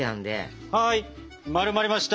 はい丸まりました。